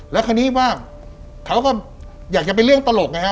แล้วคราวนี้ว่าเขาก็อยากจะเป็นเรื่องตลกไงฮ